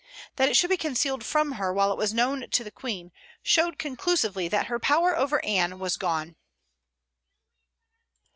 That it should be concealed from her while it was known to the Queen, showed conclusively that her power over Anne was gone.